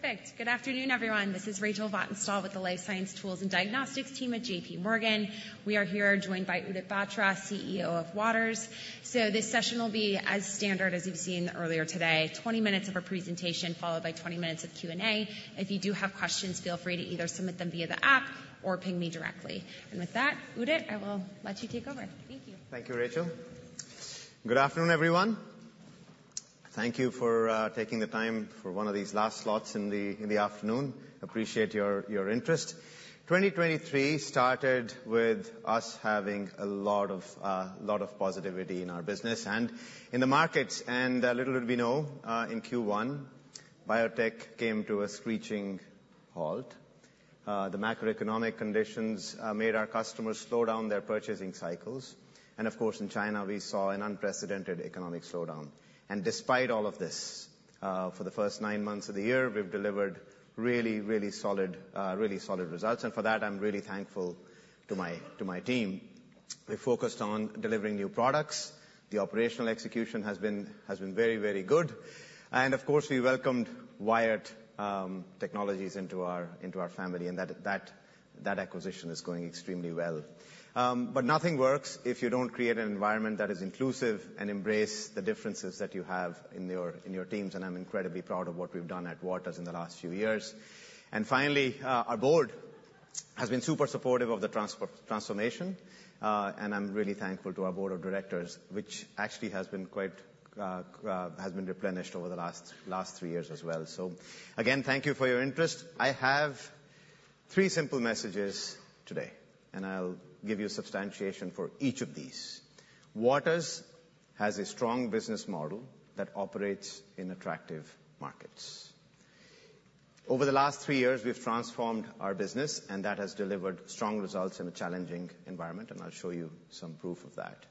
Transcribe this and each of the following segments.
Perfect! Good afternoon, everyone. This is Rachel Vatnsdal with the Life Science Tools and Diagnostics team at J.P. Morgan. We are here joined by Udit Batra, CEO of Waters. So this session will be as standard as you've seen earlier today, 20 minutes of a presentation followed by 20 minutes of Q&A. If you do have questions, feel free to either submit them via the app or ping me directly. And with that, Udit, I will let you take over. Thank you. Thank you, Rachel. Good afternoon, everyone. Thank you for taking the time for one of these last slots in the afternoon. Appreciate your interest. 2023 started with us having a lot of positivity in our business and in the markets. Little did we know, in Q1, biotech came to a screeching halt. The macroeconomic conditions made our customers slow down their purchasing cycles, and of course, in China, we saw an unprecedented economic slowdown. Despite all of this, for the first nine months of the year, we've delivered really solid results, and for that, I'm really thankful to my team. We focused on delivering new products. The operational execution has been very, very good, and of course, we welcomed Wyatt Technology into our family, and that acquisition is going extremely well. But nothing works if you don't create an environment that is inclusive and embrace the differences that you have in your teams, and I'm incredibly proud of what we've done at Waters in the last few years. And finally, our board has been super supportive of the transformation, and I'm really thankful to our board of directors, which actually has been quite replenished over the last three years as well. So again, thank you for your interest. I have three simple messages today, and I'll give you substantiation for each of these. Waters has a strong business model that operates in attractive markets. Over the last three years, we've transformed our business, and that has delivered strong results in a challenging environment, and I'll show you some proof of that.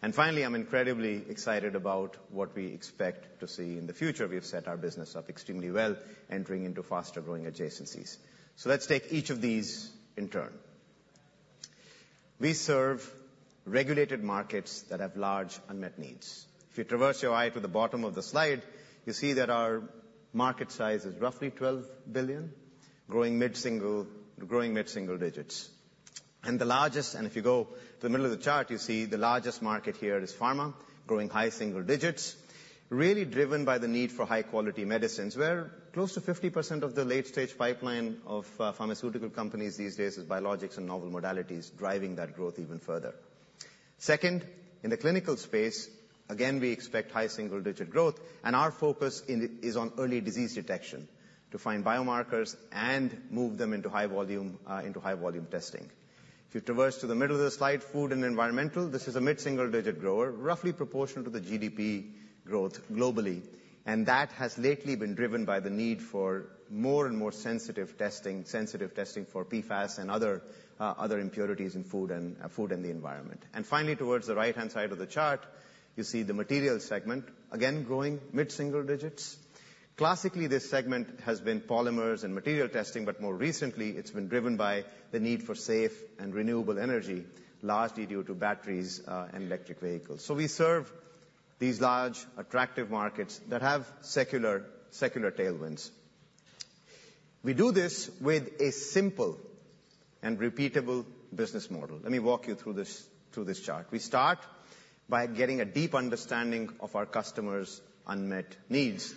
And finally, I'm incredibly excited about what we expect to see in the future. We've set our business up extremely well, entering into faster-growing adjacencies. So let's take each of these in turn. We serve regulated markets that have large unmet needs. If you traverse your eye to the bottom of the slide, you see that our market size is roughly $12 billion, growing mid-single digits. And the largest... If you go to the middle of the chart, you see the largest market here is pharma, growing high single digits, really driven by the need for high-quality medicines, where close to 50% of the late-stage pipeline of pharmaceutical companies these days is biologics and novel modalities, driving that growth even further. Second, in the clinical space, again, we expect high single-digit growth, and our focus in it is on early disease detection, to find biomarkers and move them into high-volume testing. If you traverse to the middle of the slide, food and environmental, this is a mid-single-digit grower, roughly proportional to the GDP growth globally. That has lately been driven by the need for more and more sensitive testing, sensitive testing for PFAS and other impurities in food and the environment. Finally, towards the right-hand side of the chart, you see the materials segment, again, growing mid-single digits. Classically, this segment has been polymers and material testing, but more recently, it's been driven by the need for safe and renewable energy, largely due to batteries and electric vehicles. So we serve these large, attractive markets that have secular, secular tailwinds. We do this with a simple and repeatable business model. Let me walk you through this, through this chart. We start by getting a deep understanding of our customers' unmet needs,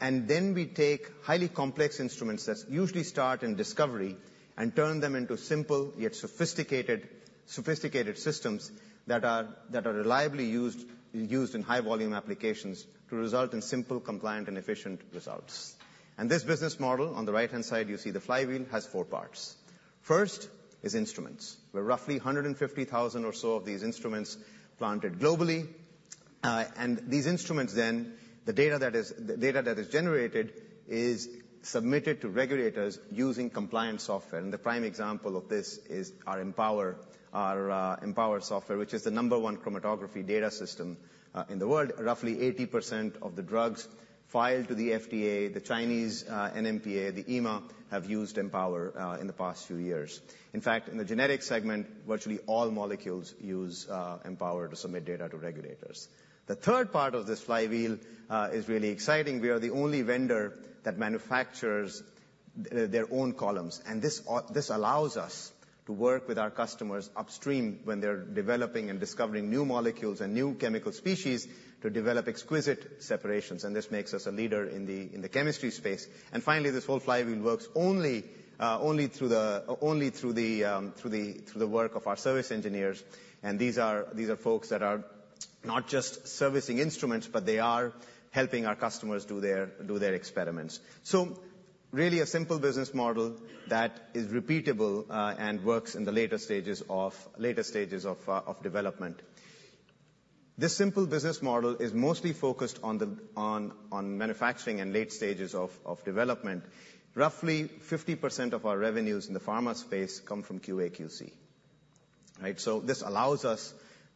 and then we take highly complex instruments that usually start in discovery and turn them into simple yet sophisticated, sophisticated systems that are, that are reliably used, used in high-volume applications to result in simple, compliant, and efficient results. And this business model, on the right-hand side, you see the flywheel, has four parts. First is instruments, where roughly 150,000 or so of these instruments are planted globally. And these instruments then, the data that is generated is submitted to regulators using compliance software, and the prime example of this is our Empower, our Empower software, which is the number one chromatography data system in the world. Roughly 80% of the drugs filed to the FDA, the Chinese NMPA, the EMA, have used Empower in the past few years. In fact, in the generic segment, virtually all molecules use Empower to submit data to regulators. The third part of this flywheel is really exciting. We are the only vendor that manufactures their own columns, and this allows us to work with our customers upstream when they're developing and discovering new molecules and new chemical species to develop exquisite separations, and this makes us a leader in the chemistry space. And finally, this whole flywheel works only through the work of our service engineers, and these are folks that are not just servicing instruments, but they are helping our customers do their experiments. So really a simple business model that is repeatable, and works in the later stages of development. This simple business model is mostly focused on the manufacturing and late stages of development. Roughly 50% of our revenues in the pharma space come from QA/QC. Right? So this allows us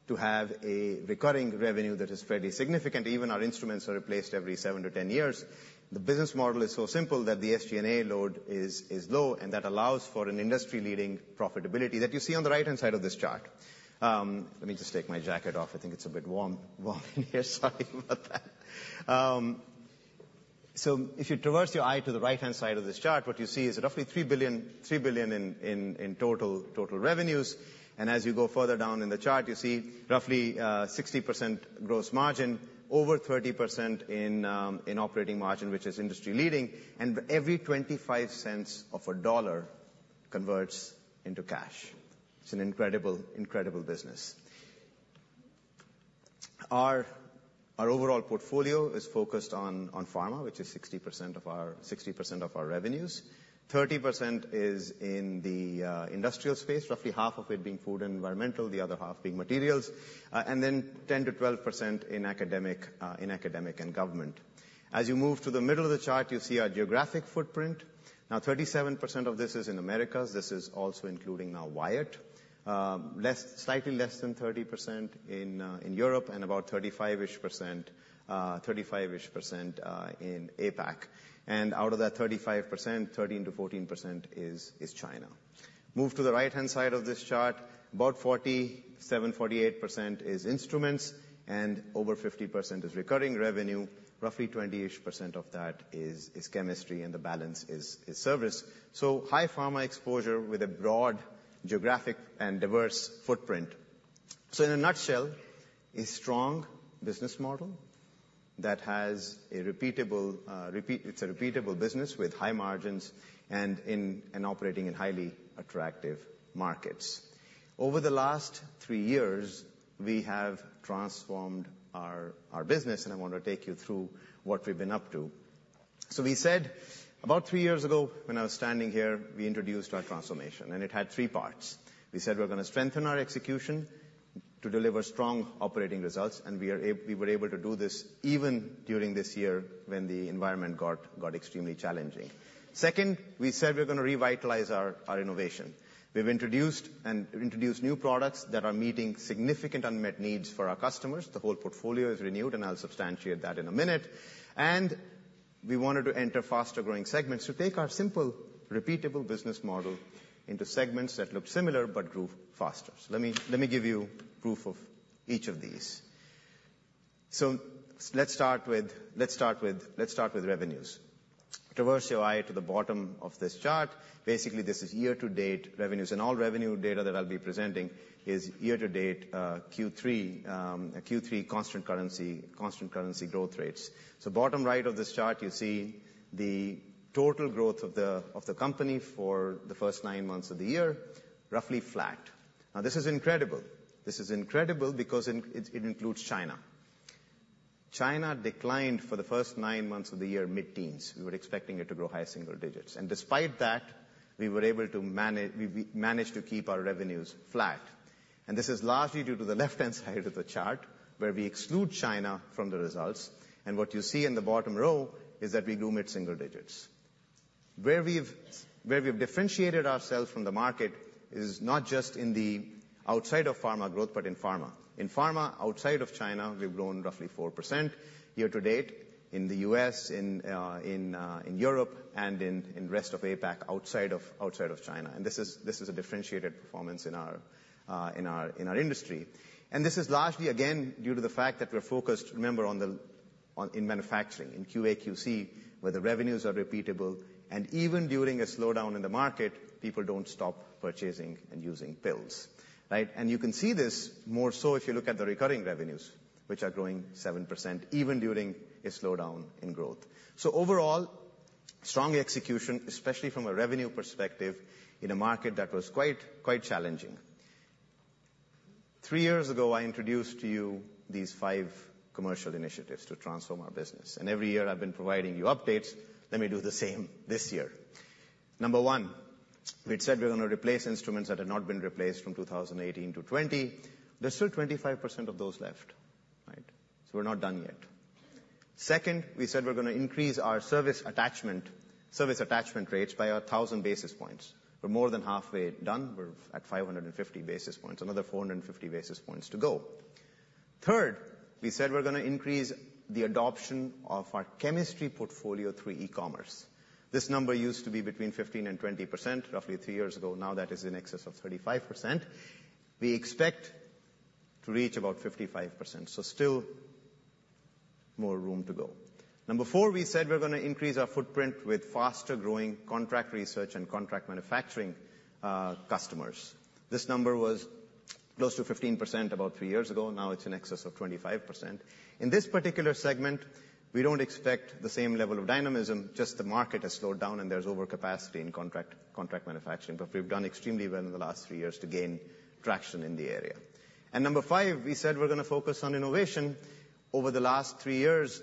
to have a recurring revenue that is fairly significant. Even our instruments are replaced every 7-10 years. The business model is so simple that the SG&A load is low, and that allows for an industry-leading profitability that you see on the right-hand side of this chart. Let me just take my jacket off. I think it's a bit warm in here. Sorry about that. So if you traverse your eye to the right-hand side of this chart, what you see is roughly $3 billion in total revenues. As you go further down in the chart, you see roughly, 60% gross margin, over 30% in, in operating margin, which is industry-leading, and every 25 cents of a dollar converts into cash. It's an incredible, incredible business. Our, our overall portfolio is focused on, on pharma, which is 60% of our- 60% of our revenues. 30% is in the, industrial space, roughly half of it being food and environmental, the other half being materials. And then 10%-12% in academic, in academic and government. As you move to the middle of the chart, you see our geographic footprint. Now, 37% of this is in Americas. This is also including now Wyatt. Less, slightly less than 30% in, in Europe, and about 35-ish%, 35-ish%, in APAC. Out of that 35%, 13%-14% is China. Move to the right-hand side of this chart, about 47%-48% is instruments, and over 50% is recurring revenue. Roughly 20-ish% of that is chemistry, and the balance is service. So high pharma exposure with a broad geographic and diverse footprint. So in a nutshell, a strong business model that has a repeatable business with high margins and operating in highly attractive markets. Over the last three years, we have transformed our business, and I want to take you through what we've been up to. So we said... About three years ago, when I was standing here, we introduced our transformation, and it had three parts. We said, we're gonna strengthen our execution to deliver strong operating results, and we were able to do this even during this year when the environment got extremely challenging. Second, we said we're gonna revitalize our innovation. We've introduced new products that are meeting significant unmet needs for our customers. The whole portfolio is renewed, and I'll substantiate that in a minute. And we wanted to enter faster-growing segments to take our simple, repeatable business model into segments that look similar but grew faster. So let me give you proof of each of these. So let's start with revenues. Traverse your eye to the bottom of this chart. Basically, this is year-to-date revenues, and all revenue data that I'll be presenting is year-to-date Q3 constant currency growth rates. So bottom right of this chart, you see the total growth of the company for the first nine months of the year, roughly flat. Now, this is incredible. This is incredible because in it includes China. China declined for the first nine months of the year, mid-teens%. We were expecting it to grow high single digits%. And despite that, we were able to... We managed to keep our revenues flat. And this is largely due to the left-hand side of the chart, where we exclude China from the results. And what you see in the bottom row is that we grew mid-single digits%. Where we've differentiated ourselves from the market is not just in the outside of pharma growth, but in pharma. In pharma, outside of China, we've grown roughly 4% year to date, in the U.S., in Europe, and in rest of APAC, outside of China. This is a differentiated performance in our industry. This is largely, again, due to the fact that we're focused, remember, on manufacturing, in QA, QC, where the revenues are repeatable, and even during a slowdown in the market, people don't stop purchasing and using pills, right? You can see this more so if you look at the recurring revenues, which are growing 7% even during a slowdown in growth. Overall, strong execution, especially from a revenue perspective, in a market that was quite challenging. Three years ago, I introduced to you these five commercial initiatives to transform our business, and every year I've been providing you updates. Let me do the same this year. Number one, we'd said we're gonna replace instruments that had not been replaced from 2018 to 2020. There's still 25% of those left, right? So we're not done yet. Second, we said we're gonna increase our service attachment, service attachment rates by 1,000 basis points. We're more than halfway done. We're at 550 basis points, another 450 basis points to go. Third, we said we're gonna increase the adoption of our chemistry portfolio through e-commerce. This number used to be between 15% and 20%, roughly three years ago. Now, that is in excess of 35%. We expect to reach about 55%, so still more room to go. Number four, we said we're gonna increase our footprint with faster-growing contract research and contract manufacturing customers. This number was close to 15% about three years ago. Now, it's in excess of 25%. In this particular segment, we don't expect the same level of dynamism, just the market has slowed down, and there's overcapacity in contract manufacturing. But we've done extremely well in the last three years to gain traction in the area. And number five, we said we're gonna focus on innovation. Over the last three years,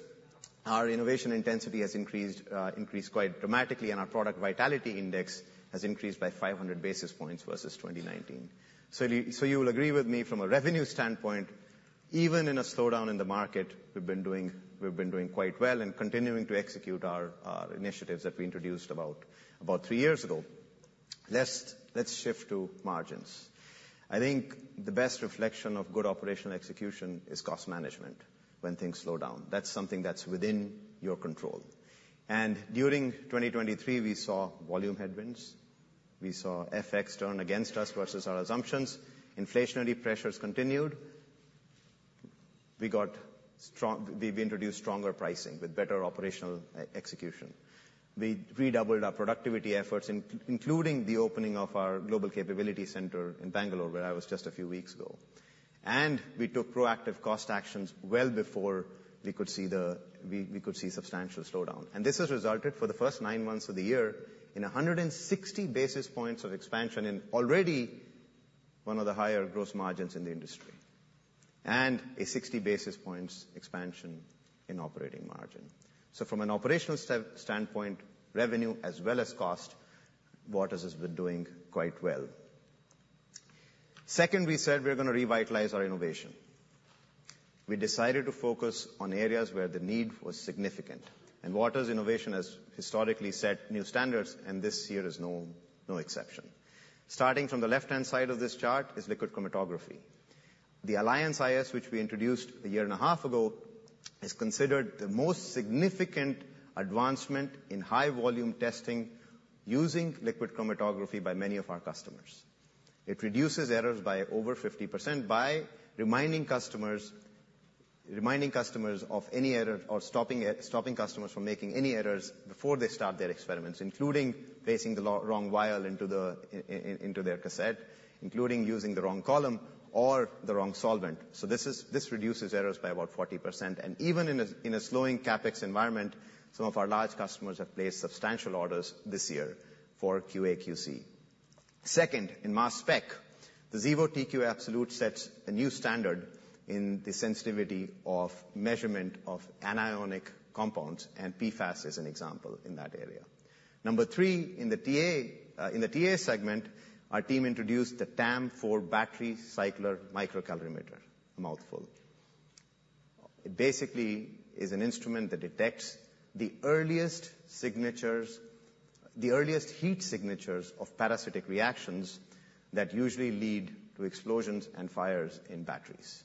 our innovation intensity has increased, increased quite dramatically, and our product vitality index has increased by 500 basis points versus 2019. So you, so you will agree with me, from a revenue standpoint, even in a slowdown in the market, we've been doing, we've been doing quite well and continuing to execute our, initiatives that we introduced about, about three years ago. Let's, let's shift to margins. I think the best reflection of good operational execution is cost management when things slow down. That's something that's within your control. And during 2023, we saw volume headwinds. We saw FX turn against us versus our assumptions. Inflationary pressures continued. We got strong, we, we introduced stronger pricing with better operational execution. We redoubled our productivity efforts, including the opening of our global capability center in Bangalore, where I was just a few weeks ago. And we took proactive cost actions well before we could see we could see substantial slowdown. This has resulted, for the first nine months of the year, in 160 basis points of expansion in already one of the higher gross margins in the industry, and a 60 basis points expansion in operating margin. So from an operational standpoint, revenue as well as cost, Waters has been doing quite well. Second, we said we're gonna revitalize our innovation. We decided to focus on areas where the need was significant, and Waters' innovation has historically set new standards, and this year is no exception. Starting from the left-hand side of this chart is liquid chromatography. The Alliance iS, which we introduced a year and a half ago, is considered the most significant advancement in high-volume testing using liquid chromatography by many of our customers. It reduces errors by over 50% by reminding customers of any error or stopping customers from making any errors before they start their experiments, including placing the wrong vial into their cassette, including using the wrong column or the wrong solvent. So this reduces errors by about 40%. And even in a slowing CapEx environment, some of our large customers have placed substantial orders this year for QA/QC. Second, in mass spec, the Xevo TQ Absolute sets a new standard in the sensitivity of measurement of anionic compounds, and PFAS is an example in that area. Number three, in the TA segment, our team introduced the TAM IV Battery Cycler Microcalorimeter. A mouthful. It basically is an instrument that detects the earliest signatures, the earliest heat signatures of parasitic reactions that usually lead to explosions and fires in batteries,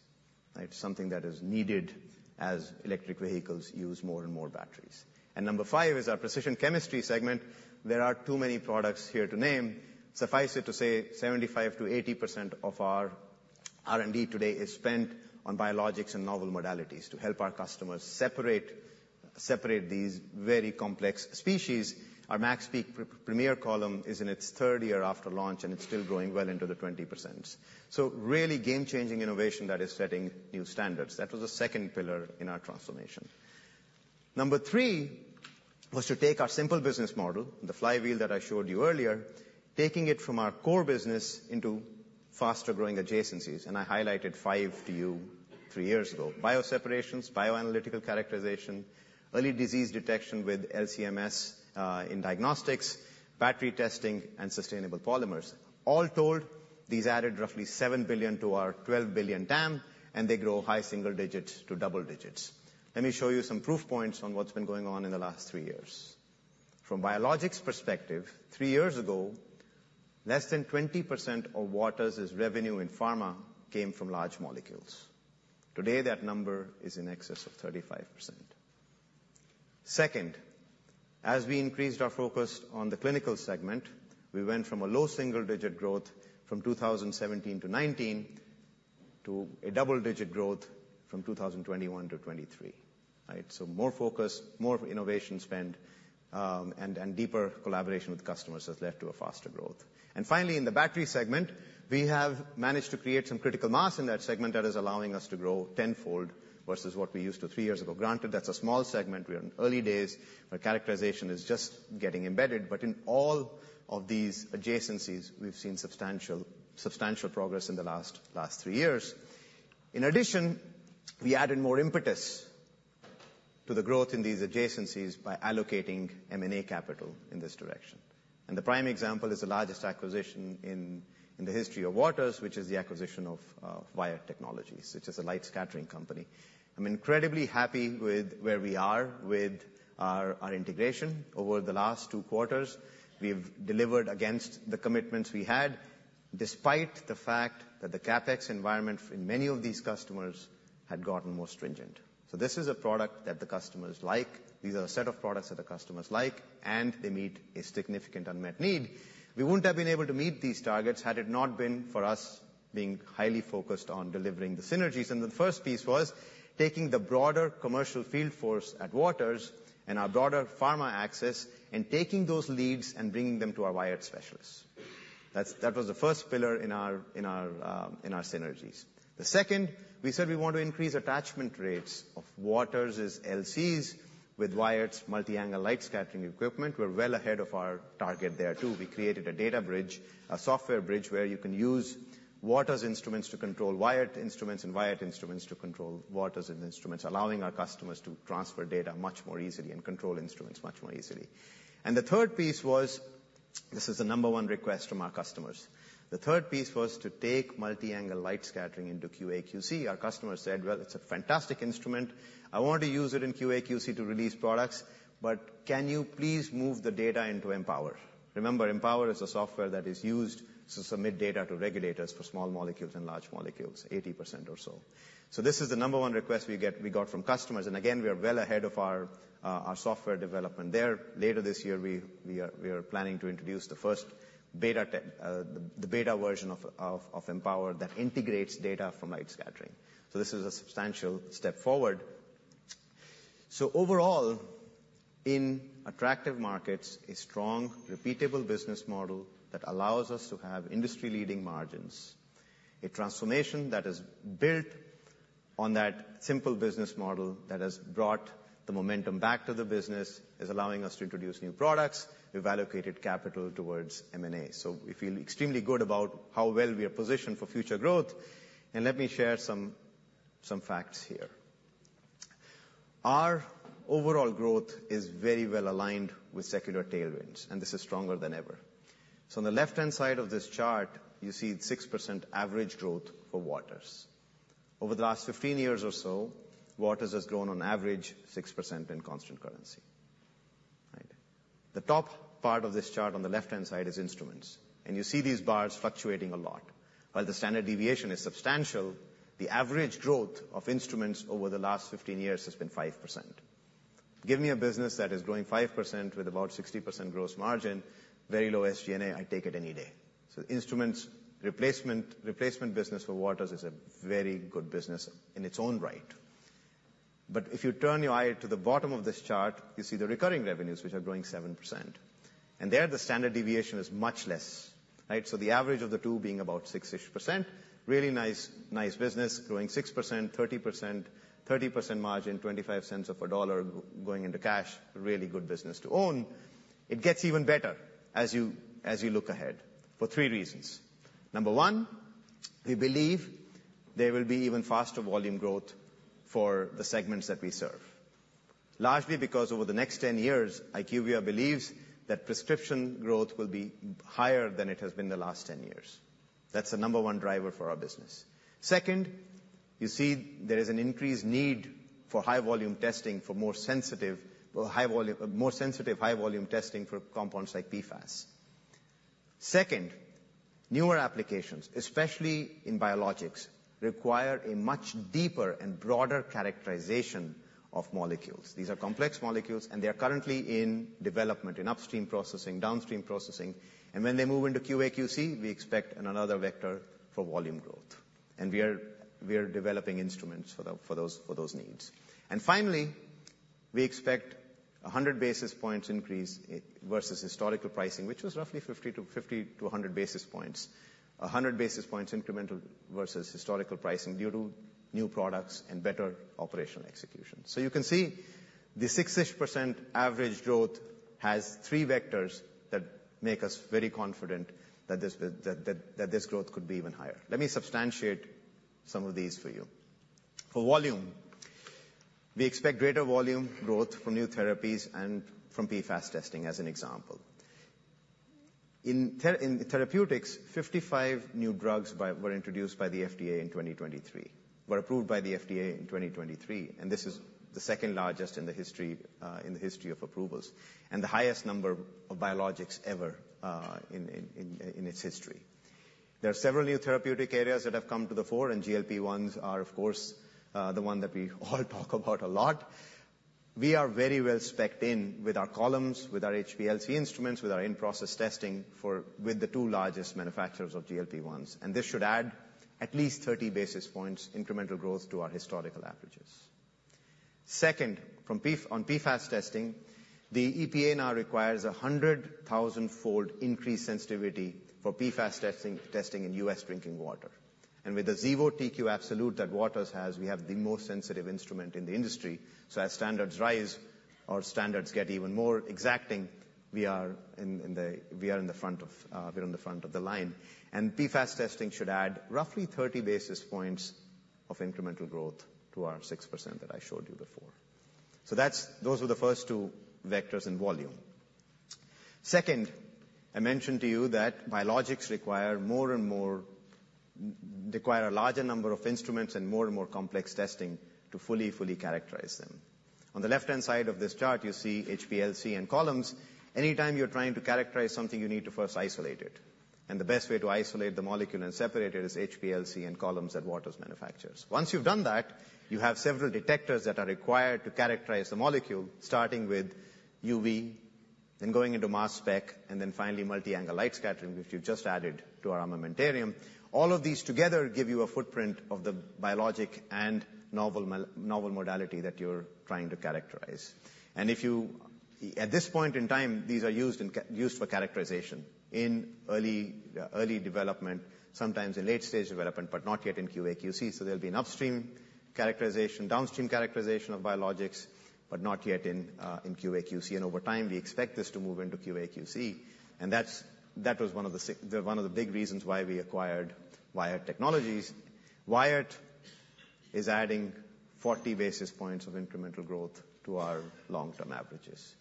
right? Something that is needed as electric vehicles use more and more batteries. Number five is our precision chemistry segment. There are too many products here to name. Suffice it to say, 75%-80% of our R&D today is spent on biologics and novel modalities to help our customers separate, separate these very complex species. Our MaxPeak Premier Column is in its third year after launch, and it's still growing well into the 20%. So really game-changing innovation that is setting new standards. That was the second pillar in our transformation. Number 3 was to take our simple business model, the flywheel that I showed you earlier, taking it from our core business into faster-growing adjacencies, and I highlighted 5 to you 3 years ago: bioseparations, bioanalytical characterization, early disease detection with LC-MS, in diagnostics, battery testing, and sustainable polymers. All told, these added roughly $7 billion to our $12 billion TAM, and they grow high single digits to double digits. Let me show you some proof points on what's been going on in the last 3 years. From biologics perspective, 3 years ago, less than 20% of Waters' revenue in pharma came from large molecules. Today, that number is in excess of 35%. Second, as we increased our focus on the clinical segment, we went from a low single-digit growth from 2017 to 2019, to a double-digit growth from 2021 to 2023. Right? So more focus, more innovation spend, and deeper collaboration with customers has led to a faster growth. And finally, in the battery segment, we have managed to create some critical mass in that segment that is allowing us to grow tenfold versus what we used to three years ago. Granted, that's a small segment. We are in early days, where characterization is just getting embedded, but in all of these adjacencies, we've seen substantial progress in the last three years. In addition, we added more impetus to the growth in these adjacencies by allocating M&A capital in this direction. And the prime example is the largest acquisition in the history of Waters, which is the acquisition of Wyatt Technology, which is a light scattering company. I'm incredibly happy with where we are with our integration. Over the last two quarters, we've delivered against the commitments we had, despite the fact that the CapEx environment in many of these customers had gotten more stringent. So this is a product that the customers like. These are a set of products that the customers like, and they meet a significant unmet need. We wouldn't have been able to meet these targets had it not been for us being highly focused on delivering the synergies. And the first piece was taking the broader commercial field force at Waters and our broader pharma access, and taking those leads and bringing them to our Wyatt specialists. That's, that was the first pillar in our, in our, synergies. The second, we said we want to increase attachment rates of Waters' LCs with Wyatt's multi-angle light scattering equipment. We're well ahead of our target there, too. We created a data bridge, a software bridge, where you can use Waters' instruments to control Wyatt instruments and Wyatt instruments to control Waters' instruments, allowing our customers to transfer data much more easily and control instruments much more easily. And the third piece was... This is the number one request from our customers. The third piece was to take multi-angle light scattering into QA/QC. Our customers said, "Well, it's a fantastic instrument. I want to use it in QA/QC to release products, but can you please move the data into Empower?" Remember, Empower is a software that is used to submit data to regulators for small molecules and large molecules, 80% or so. So this is the number one request we get, we got from customers, and again, we are well ahead of our, our software development there. Later this year, we are planning to introduce the first beta, the beta version of Empower that integrates data from light scattering. So this is a substantial step forward. So overall, in attractive markets, a strong, repeatable business model that allows us to have industry-leading margins. A transformation that is built on that simple business model that has brought the momentum back to the business, is allowing us to introduce new products. We've allocated capital towards M&A. So we feel extremely good about how well we are positioned for future growth, and let me share some, some facts here. Our overall growth is very well aligned with secular tailwinds, and this is stronger than ever. So on the left-hand side of this chart, you see 6% average growth for Waters. Over the last 15 years or so, Waters has grown on average 6% in constant currency. Right. The top part of this chart on the left-hand side is instruments, and you see these bars fluctuating a lot. While the standard deviation is substantial, the average growth of instruments over the last 15 years has been 5%. Give me a business that is growing 5% with about 60% gross margin, very low SG&A, I'd take it any day. So instruments, replacement, replacement business for Waters is a very good business in its own right. But if you turn your eye to the bottom of this chart, you see the recurring revenues, which are growing 7%, and there, the standard deviation is much less, right? So the average of the two being about 6-ish%. Really nice, nice business, growing 6%, 30%, 30% margin, 25 cents of a dollar going into cash. A really good business to own. It gets even better as you, as you look ahead, for three reasons. Number one, we believe there will be even faster volume growth for the segments that we serve. Largely because over the next 10 years, IQVIA believes that prescription growth will be higher than it has been the last 10 years. That's the number one driver for our business. Second, you see there is an increased need for high volume testing, for more sensitive, well, high volume, more sensitive, high volume testing for compounds like PFAS. Second, newer applications, especially in biologics, require a much deeper and broader characterization of molecules. These are complex molecules, and they are currently in development, in upstream processing, downstream processing, and when they move into QA/QC, we expect another vector for volume growth, and we are, we are developing instruments for the, for those, for those needs. And finally, we expect a 100 basis points increase versus historical pricing, which was roughly 50-100 basis points. A 100 basis points incremental versus historical pricing due to new products and better operational execution. So you can see the six-ish% average growth has three vectors that make us very confident that this growth could be even higher. Let me substantiate some of these for you. For volume, we expect greater volume growth from new therapies and from PFAS testing, as an example. In therapeutics, 55 new drugs were approved by the FDA in 2023, and this is the second largest in the history of approvals, and the highest number of biologics ever in its history. There are several new therapeutic areas that have come to the fore, and GLP-1s are, of course, the one that we all talk about a lot. We are very well specced in with our columns, with our HPLC instruments, with our in-process testing for, with the two largest manufacturers of GLP-1s, and this should add at least 30 basis points incremental growth to our historical averages. Second, from PFAS testing, the EPA now requires a 100,000-fold increased sensitivity for PFAS testing in U.S. drinking water. With the Xevo TQ Absolute that Waters has, we have the most sensitive instrument in the industry. So as standards rise, our standards get even more exacting, we are in the front of the line. PFAS testing should add roughly 30 basis points of incremental growth to our 6% that I showed you before. So that's. Those were the first two vectors in volume. Second, I mentioned to you that biologics require a larger number of instruments and more and more complex testing to fully characterize them. On the left-hand side of this chart, you see HPLC and columns. Anytime you're trying to characterize something, you need to first isolate it, and the best way to isolate the molecule and separate it is HPLC and columns that Waters manufactures. Once you've done that, you have several detectors that are required to characterize the molecule, starting with UV, then going into mass spec, and then finally, multi-angle light scattering, which we've just added to our armamentarium. All of these together give you a footprint of the biologic and novel modality that you're trying to characterize. And if you... At this point in time, these are used for characterization in early development, sometimes in late-stage development, but not yet in QA/QC. So there'll be an upstream characterization, downstream characterization of biologics, but not yet in QA/QC, and over time, we expect this to move into QA/QC, and that was one of the big reasons why we acquired Wyatt Technology. Wyatt is adding 40 basis points of incremental growth to our long-term averages.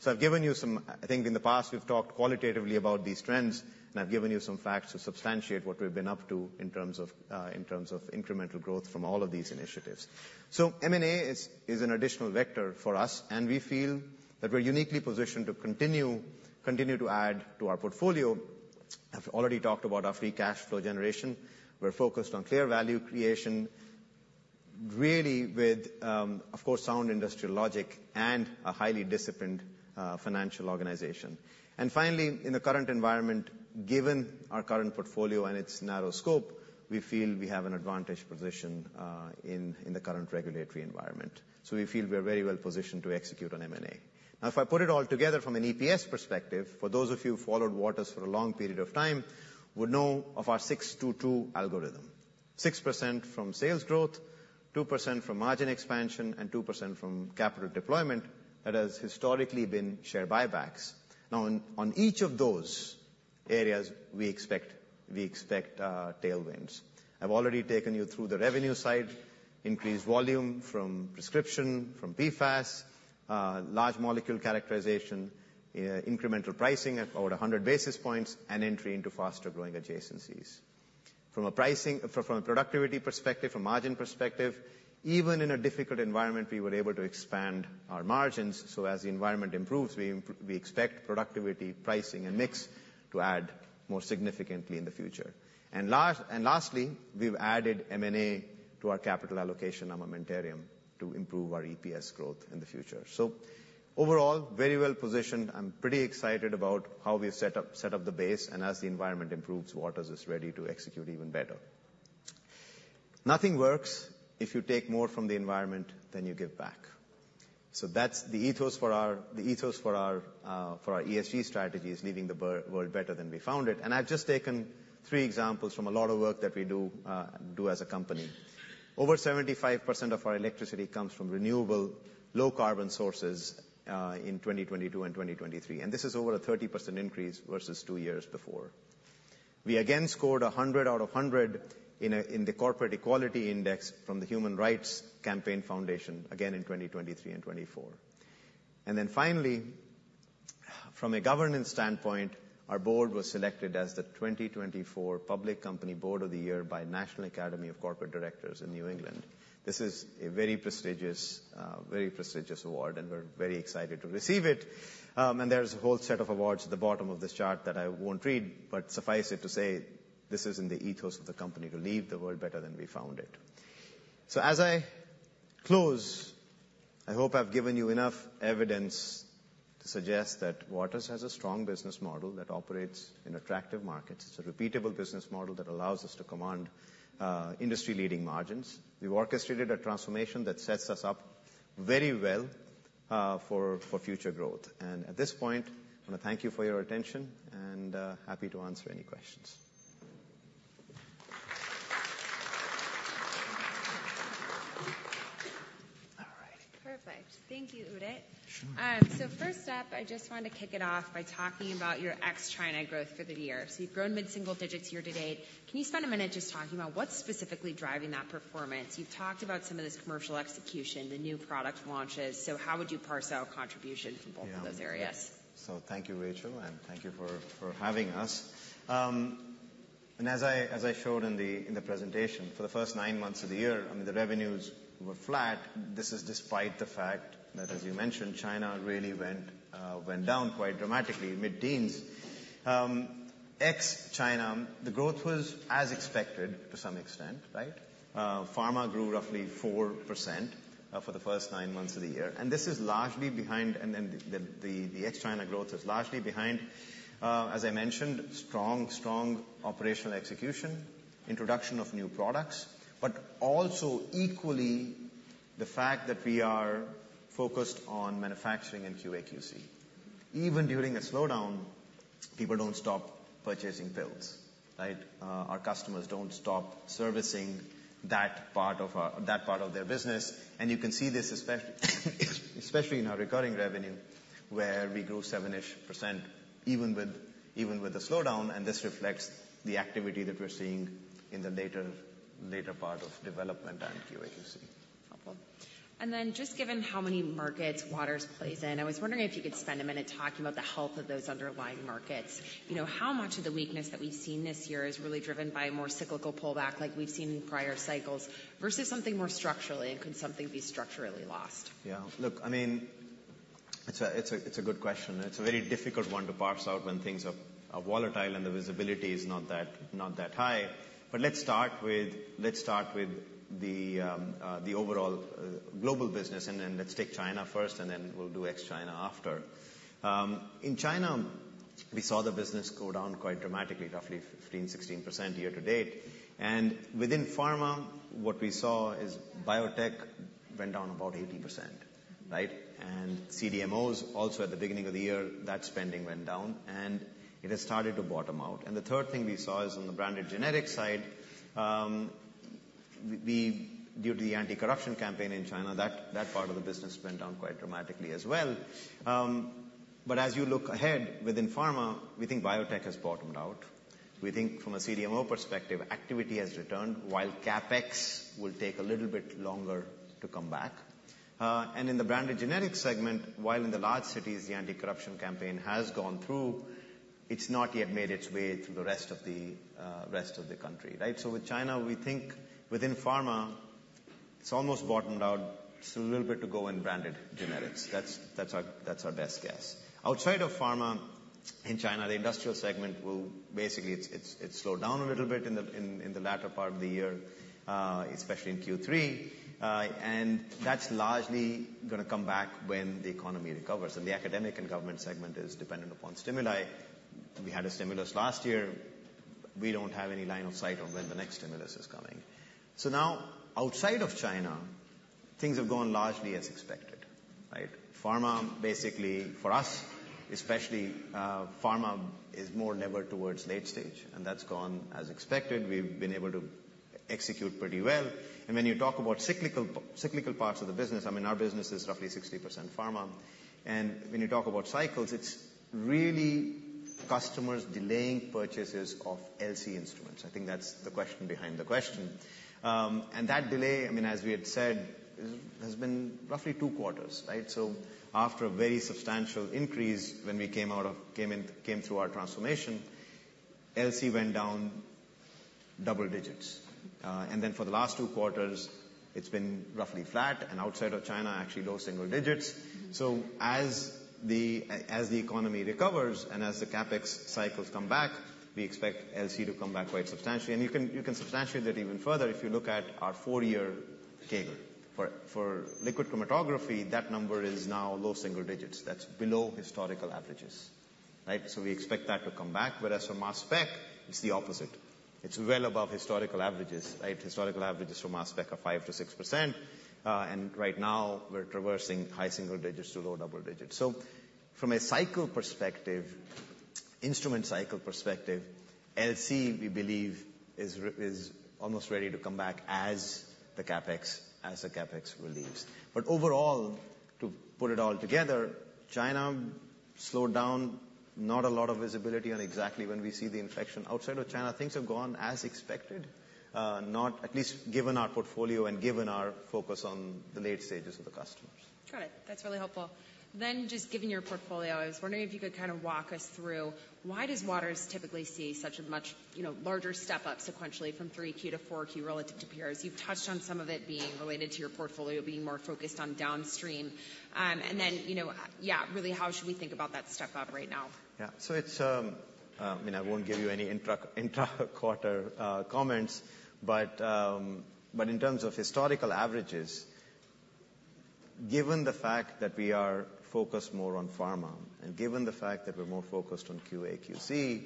So I've given you some. I think in the past, we've talked qualitatively about these trends, and I've given you some facts to substantiate what we've been up to in terms of incremental growth from all of these initiatives. So M&A is an additional vector for us, and we feel that we're uniquely positioned to continue to add to our portfolio. I've already talked about our free cash flow generation. We're focused on clear value creation, really with, of course, sound industrial logic and a highly disciplined financial organization. And finally, in the current environment, given our current portfolio and its narrow scope, we feel we have an advantaged position in the current regulatory environment. So we feel we are very well positioned to execute on M&A. Now, if I put it all together from an EPS perspective, for those of you who've followed Waters for a long period of time, would know of our 6-2-2 algorithm. 6% from sales growth, 2% from margin expansion, and 2% from capital deployment, that has historically been share buybacks. Now, on each of those areas, we expect tailwinds. I've already taken you through the revenue side, increased volume from prescription, from PFAS, large molecule characterization, incremental pricing at about 100 basis points, and entry into faster-growing adjacencies. From a pricing, productivity perspective, from margin perspective, even in a difficult environment, we were able to expand our margins. So as the environment improves, we expect productivity, pricing, and mix to add more significantly in the future. And lastly, we've added M&A to our capital allocation armamentarium to improve our EPS growth in the future. So overall, very well positioned. I'm pretty excited about how we've set up the base, and as the environment improves, Waters is ready to execute even better. Nothing works if you take more from the environment than you give back. So that's the ethos for our ESG strategy, is leaving the world better than we found it. And I've just taken three examples from a lot of work that we do as a company. Over 75% of our electricity comes from renewable, low carbon sources, in 2022 and 2023, and this is over a 30% increase versus two years before. We again scored a 100 out of 100 in the Corporate Equality Index from the Human Rights Campaign Foundation, again in 2023 and 2024. And then finally, from a governance standpoint, our board was selected as the 2024 Public Company Board of the Year by National Association of Corporate Directors in New England. This is a very prestigious, very prestigious award, and we're very excited to receive it. There's a whole set of awards at the bottom of this chart that I won't read, but suffice it to say, this is in the ethos of the company, to leave the world better than we found it. So as I close, I hope I've given you enough evidence to suggest that Waters has a strong business model that operates in attractive markets. It's a repeatable business model that allows us to command industry-leading margins. We've orchestrated a transformation that sets us up very well for future growth. And at this point, I wanna thank you for your attention, and happy to answer any questions. All right. Perfect. Thank you, Udit. Sure. So first up, I just wanted to kick it off by talking about your ex-China growth for the year. So you've grown mid-single digits year to date. Can you spend a minute just talking about what's specifically driving that performance? You've talked about some of this commercial execution, the new product launches. So how would you parse out contribution from both of those areas? So thank you, Rachel, and thank you for having us. And as I showed in the presentation, for the first 9 months of the year, I mean, the revenues were flat. This is despite the fact that, as you mentioned, China really went down quite dramatically, mid-teens%. Ex-China, the growth was as expected to some extent, right? Pharma grew roughly 4%, for the first 9 months of the year, and this is largely behind. And then the ex-China growth is largely behind, as I mentioned, strong operational execution, introduction of new products, but also equally the fact that we are focused on manufacturing and QA/QC. Even during a slowdown, people don't stop purchasing pills, right? Our customers don't stop servicing that part of their business. You can see this, especially, especially in our recurring revenue, where we grew 7-ish%, even with, even with the slowdown. This reflects the activity that we're seeing in the later, later part of development and QA/QC. Awesome. And then just given how many markets Waters plays in, I was wondering if you could spend a minute talking about the health of those underlying markets. You know, how much of the weakness that we've seen this year is really driven by a more cyclical pullback, like we've seen in prior cycles, versus something more structurally, and could something be structurally lost? Yeah. Look, I mean, it's a, it's a, it's a good question. It's a very difficult one to parse out when things are, are volatile and the visibility is not that, not that high. But let's start with, let's start with the overall global business, and then let's take China first, and then we'll do ex-China after. In China, we saw the business go down quite dramatically, roughly 15-16% year to date. And within pharma, what we saw is biotech went down about 80%, right? And CDMOs also, at the beginning of the year, that spending went down, and it has started to bottom out. And the third thing we saw is on the branded generics side, we, we—due to the anti-corruption campaign in China, that, that part of the business went down quite dramatically as well. But as you look ahead within pharma, we think biotech has bottomed out. We think from a CDMO perspective, activity has returned, while CapEx will take a little bit longer to come back. And in the branded generics segment, while in the large cities, the anti-corruption campaign has gone through, it's not yet made its way through the rest of the rest of the country, right? So with China, we think within pharma, it's almost bottomed out. Just a little bit to go in branded generics. That's our best guess. Outside of pharma, in China, the industrial segment will basically... It's slowed down a little bit in the latter part of the year, especially in Q3. And that's largely gonna come back when the economy recovers, and the academic and government segment is dependent upon stimuli. We had a stimulus last year. We don't have any line of sight on when the next stimulus is coming. So now, outside of China, things have gone largely as expected, right? Pharma, basically, for us, especially, pharma is more levered towards late stage, and that's gone as expected. We've been able to execute pretty well. And when you talk about cyclical, cyclical parts of the business, I mean, our business is roughly 60% pharma. And when you talk about cycles, it's really customers delaying purchases of LC instruments. I think that's the question behind the question. And that delay, I mean, as we had said, has been roughly 2 quarters, right? So after a very substantial increase, when we came through our transformation, LC went down double digits. And then for the last 2 quarters, it's been roughly flat, and outside of China, actually, low single digits. So as the economy recovers and as the CapEx cycles come back, we expect LC to come back quite substantially. And you can, you can substantiate that even further if you look at our 4-year CAGR. For liquid chromatography, that number is now low single digits. That's below historical averages, right? So we expect that to come back, whereas for mass spec, it's the opposite. It's well above historical averages, right? Historical averages for mass spec are 5%-6%, and right now, we're traversing high single digits to low double digits. So from a cycle perspective, instrument cycle perspective, LC, we believe, is almost ready to come back as the CapEx relieves. But overall, to put it all together, China slowed down. Not a lot of visibility on exactly when we see the inflection. Outside of China, things have gone as expected, not... at least given our portfolio and given our focus on the late stages of the customers. Got it. That's really helpful. Then just given your portfolio, I was wondering if you could kind of walk us through, why does Waters typically see such a much, you know, larger step up sequentially from 3Q to 4Q relative to peers? You've touched on some of it being related to your portfolio being more focused on downstream. And then, you know, yeah, really, how should we think about that step up right now? Yeah. So it's, I mean, I won't give you any intra-quarter comments, but in terms of historical averages, given the fact that we are focused more on pharma and given the fact that we're more focused on QA/QC,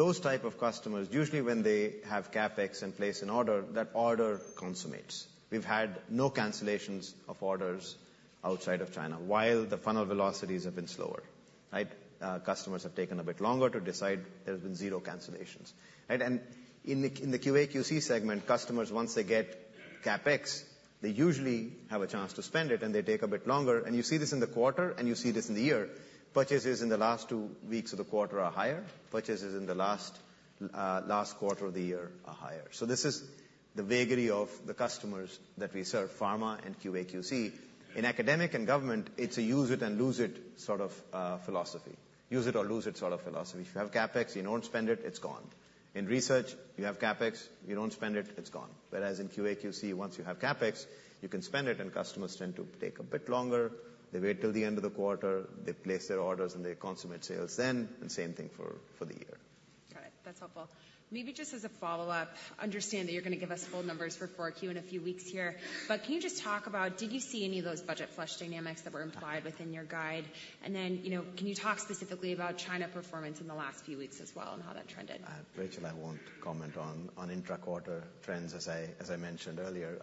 those type of customers, usually when they have CapEx and place an order, that order consummates. We've had no cancellations of orders outside of China while the funnel velocities have been slower, right? Customers have taken a bit longer to decide. There have been zero cancellations, right? And in the QA/QC segment, customers, once they get CapEx, they usually have a chance to spend it, and they take a bit longer. And you see this in the quarter, and you see this in the year. Purchases in the last two weeks of the quarter are higher. Purchases in the last quarter of the year are higher. So this is the vagary of the customers that we serve, pharma and QA/QC. In academic and government, it's a use-it-and-lose-it sort of philosophy. Use-it-or-lose-it sort of philosophy. If you have CapEx, you don't spend it, it's gone. In research, you have CapEx, you don't spend it, it's gone. Whereas in QA/QC, once you have CapEx, you can spend it, and customers tend to take a bit longer. They wait till the end of the quarter, they place their orders, and they consummate sales then, and same thing for the year. Got it. That's helpful. Maybe just as a follow-up, understand that you're gonna give us full numbers for Q4 in a few weeks here, but can you just talk about, did you see any of those budget flush dynamics that were implied within your guide? And then, you know, can you talk specifically about China performance in the last few weeks as well and how that trended? Rachel, I won't comment on intra-quarter trends, as I mentioned earlier,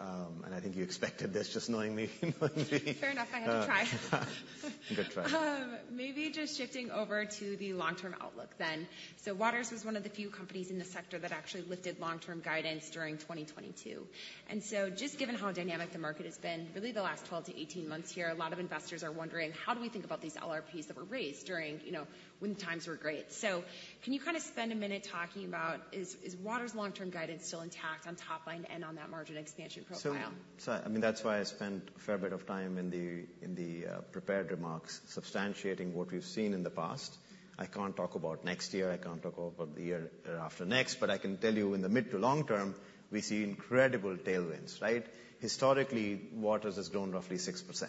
and I think you expected this just knowing me, knowing me. Fair enough. I had to try. Good try. Maybe just shifting over to the long-term outlook then. So Waters was one of the few companies in the sector that actually lifted long-term guidance during 2022. And so just given how dynamic the market has been, really the last 12-18 months here, a lot of investors are wondering: How do we think about these LRPs that were raised during, you know, when the times were great? So can you kind of spend a minute talking about, is Waters' long-term guidance still intact on top line and on that margin expansion profile? So, so, I mean, that's why I spent a fair bit of time in the, in the, prepared remarks substantiating what we've seen in the past. I can't talk about next year. I can't talk about the year after next, but I can tell you, in the mid- to long-term, we see incredible tailwinds, right? Historically, Waters has grown roughly 6%,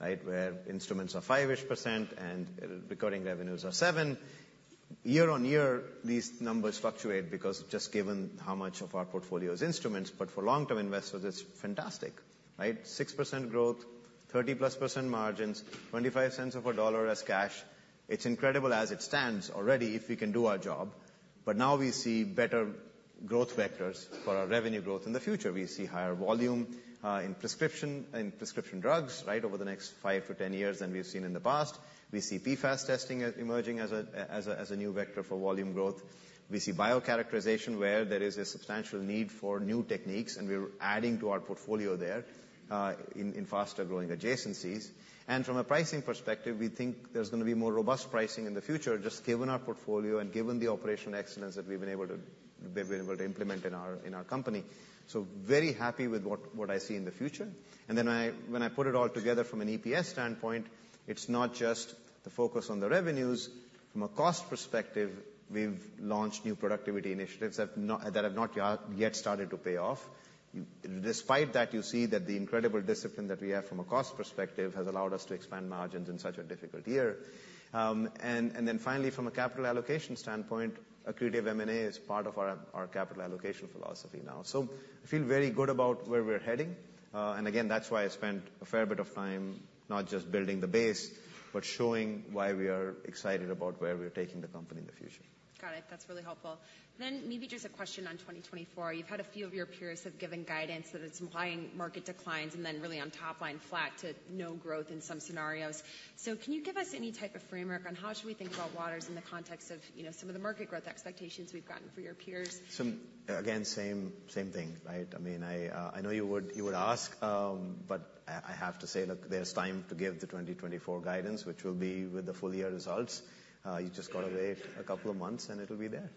right, where instruments are 5-ish% and recurring revenues are 7%. Year-on-year, these numbers fluctuate because just given how much of our portfolio is instruments, but for long-term investors, it's fantastic, right? 6% growth, 30+% margins, 25 cents of a dollar as cash. It's incredible as it stands already, if we can do our job, but now we see better growth vectors for our revenue growth in the future. We see higher volume in prescription, in prescription drugs, right, over the next 5-10 years than we've seen in the past. We see PFAS testing as emerging as a new vector for volume growth. We see biocharacterization, where there is a substantial need for new techniques, and we're adding to our portfolio there in faster-growing adjacencies. And from a pricing perspective, we think there's gonna be more robust pricing in the future, just given our portfolio and given the operational excellence that we've been able to implement in our company. So very happy with what I see in the future. And then when I put it all together from an EPS standpoint, it's not just the focus on the revenues. From a cost perspective, we've launched new productivity initiatives that have not yet started to pay off. Despite that, you see that the incredible discipline that we have from a cost perspective has allowed us to expand margins in such a difficult year. And then finally, from a capital allocation standpoint, accretive M&A is part of our capital allocation philosophy now. So I feel very good about where we're heading, and again, that's why I spent a fair bit of time not just building the base, but showing why we are excited about where we're taking the company in the future. Got it. That's really helpful. Then maybe just a question on 2024. You've had a few of your peers have given guidance that it's implying market declines and then really on top line, flat to no growth in some scenarios. So can you give us any type of framework on how should we think about Waters in the context of, you know, some of the market growth expectations we've gotten for your peers? So again, same, same thing, right? I mean, I, I know you would, you would ask, but I, I have to say, look, there's time to give the 2024 guidance, which will be with the full year results. You just got to wait a couple of months, and it'll be there.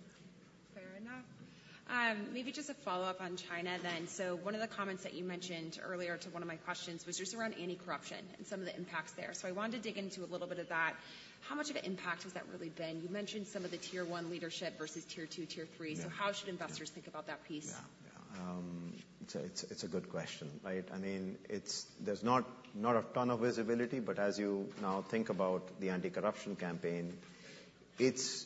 Fair enough... Maybe just a follow-up on China then. So one of the comments that you mentioned earlier to one of my questions was just around anti-corruption and some of the impacts there. So I wanted to dig into a little bit of that. How much of an impact has that really been? You mentioned some of the tier one leadership versus tier two, tier three. Yeah. How should investors think about that piece? Yeah. It's a good question, right? I mean, there's not a ton of visibility, but as you now think about the anti-corruption campaign, it's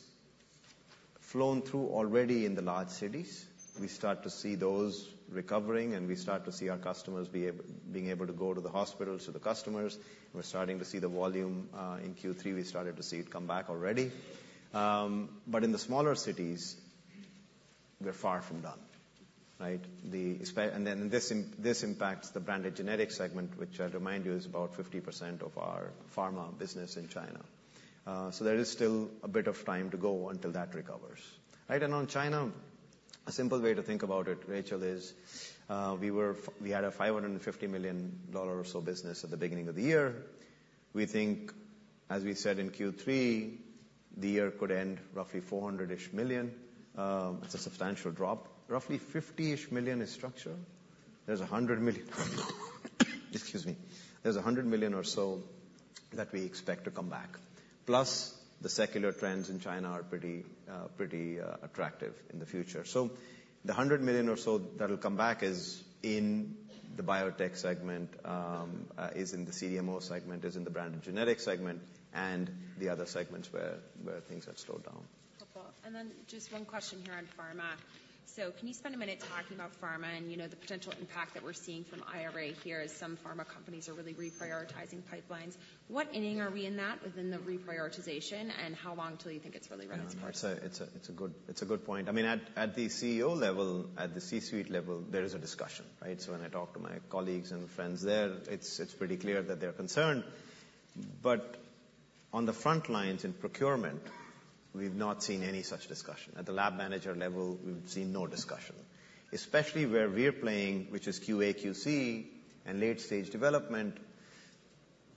flown through already in the large cities. We start to see those recovering, and we start to see our customers being able to go to the hospitals, to the customers. We're starting to see the volume. In Q3, we started to see it come back already. But in the smaller cities, we're far from done, right? And then this impacts the branded generic segment, which I'll remind you, is about 50% of our pharma business in China. So there is still a bit of time to go until that recovers. Right, and on China, a simple way to think about it, Rachel, is, we had a $550 million or so business at the beginning of the year. We think, as we said in Q3, the year could end roughly $400 million. It's a substantial drop. Roughly $50 million is structure. There's $100 million—excuse me. There's $100 million or so that we expect to come back, plus the secular trends in China are pretty attractive in the future. So the $100 million or so that will come back is in the biotech segment, is in the CDMO segment, is in the branded generics segment, and the other segments where things have slowed down. Okay. Then just one question here on pharma. Can you spend a minute talking about pharma and, you know, the potential impact that we're seeing from IRA here, as some pharma companies are really reprioritizing pipelines? What inning are we in that within the reprioritization, and how long till you think it's really going to impact? It's a good point. I mean, at the CEO level, at the C-suite level, there is a discussion, right? So when I talk to my colleagues and friends there, it's pretty clear that they're concerned. But on the front lines, in procurement, we've not seen any such discussion. At the lab manager level, we've seen no discussion. Especially where we're playing, which is QA/QC and late-stage development,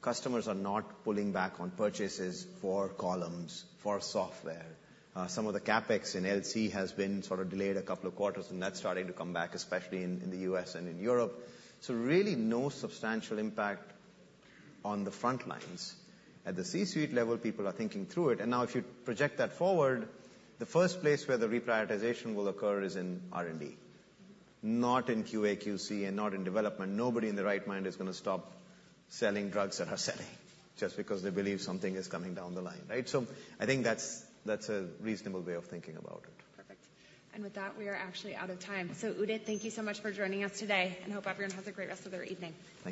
customers are not pulling back on purchases for columns, for software. Some of the CapEx in LC has been sort of delayed a couple of quarters, and that's starting to come back, especially in the US and in Europe. So really, no substantial impact on the front lines. At the C-suite level, people are thinking through it. And now, if you project that forward, the first place where the reprioritization will occur is in R&D, not in QA/QC and not in development. Nobody in their right mind is going to stop selling drugs that are selling just because they believe something is coming down the line, right? So I think that's, that's a reasonable way of thinking about it. Perfect. And with that, we are actually out of time. So Udit, thank you so much for joining us today, and hope everyone has a great rest of their evening. Thank you.